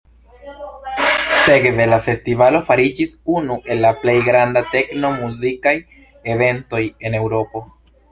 Sekve la festivalo fariĝis unu el la plej grandaj tekno-muzikaj eventoj en Eŭropo.